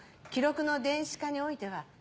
記録の電子化においては。